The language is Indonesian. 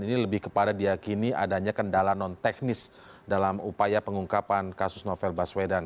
ini lebih kepada diakini adanya kendala non teknis dalam upaya pengungkapan kasus novel baswedan